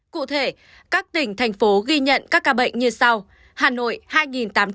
cụ thể các tỉnh thành phố ghi nhận các ca bệnh như sau